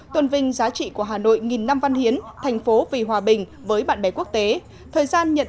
tuân vinh giá trị của hà nội một năm trăm linh năm